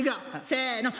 せの。